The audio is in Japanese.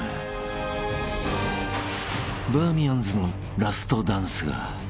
［バーミヤンズのラストダンスが］